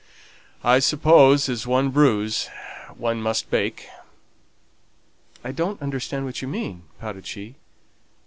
I suppose as one brews one must bake." "I don't understand what you mean," pouted she.